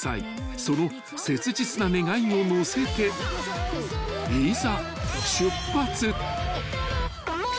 ［その切実な願いを乗せていざ］